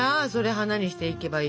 花にしていけばいい。